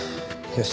よし。